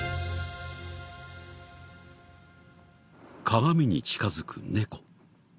鏡に近づく猫。